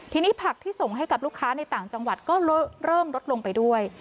ทีนี้ผักที่ส่งให้กับลูกค้าในต่างจังหวัดก็เริ่มลดลงไปด้วย